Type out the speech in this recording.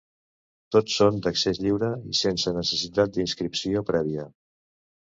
Totes són d’accés lliure, i sense necessitat d’inscripció prèvia.